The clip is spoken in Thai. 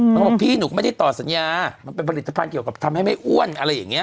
เขาบอกพี่หนูก็ไม่ได้ต่อสัญญามันเป็นผลิตภัณฑ์เกี่ยวกับทำให้ไม่อ้วนอะไรอย่างนี้